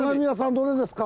どれですか？